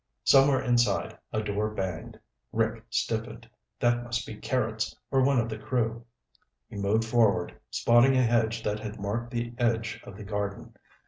Somewhere inside, a door banged. Rick stiffened. That must be Carrots, or one of the crew. He moved forward, spotting a hedge that had marked the edge of the garden.